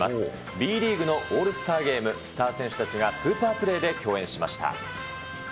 Ｂリーグのオールスターゲーム、スター選手たちがスーパープレーで競演しました。